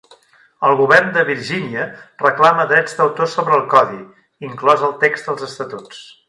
El govern de Virgínia reclama drets d'autor sobre el Codi, inclòs el text dels estatuts.